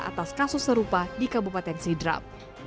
atas kasus serupa di kabupaten sidrap